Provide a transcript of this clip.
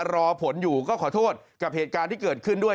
รอผลอยู่ก็ขอโทษกับเหตุการณ์ที่เกิดขึ้นด้วย